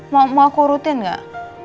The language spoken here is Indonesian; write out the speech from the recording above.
mau aku rutin gak